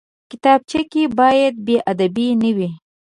کتابچه کې باید بېادبي نه وي